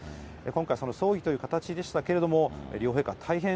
今回、葬儀という形でしたけれども、両陛下、大変、